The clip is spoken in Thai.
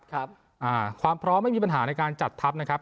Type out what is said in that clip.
ครับความพร้อมไม่มีปัญหาในการจัดทัพนะครับ